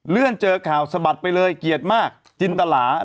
เลื่อนเจอข่าวสะบัดไปเลยเกียรติมากจินตลา